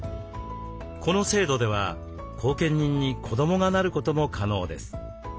この制度では後見人に子どもがなることも可能です。